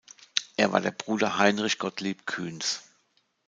Er war der Bruder Heinrich Gottlieb Kühns.